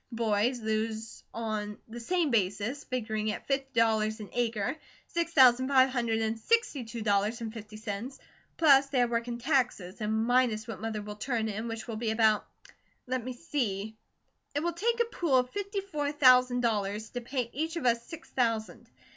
The boys lose on the same basis, figuring at fifty dollars and acre, six thousand five hundred and sixty two dollars and fifty cents, plus their work and taxes, and minus what Mother will turn in, which will be about, let me see It will take a pool of fifty four thousand dollars to pay each of us six thousand.